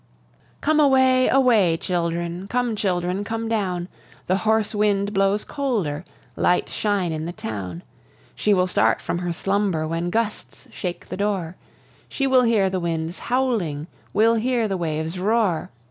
Come away, away, children; Come, children, come down! The hoarse wind blows colder; Lights shine in the town. She will start from her slumber When gusts shake the door; She will hear the winds howling, Will hear the waves roar.